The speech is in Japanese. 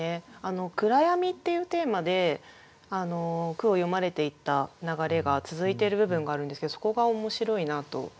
「暗闇」っていうテーマで句を詠まれていった流れが続いてる部分があるんですけどそこが面白いなと思いました。